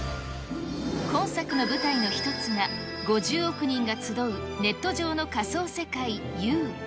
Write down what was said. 今作の舞台の一つが、５０億人が集うネット上の仮想世界Ｕ。